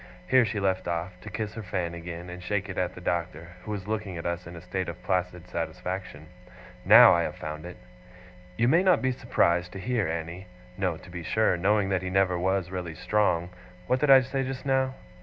Here she left off, to kiss her fan again, and shake it at the Doctor, who was looking at us in a state of placid satisfaction. 'Now I have found it. "You may not be surprised to hear, Annie," no, to be sure, knowing that he never was really strong; what did I say just now?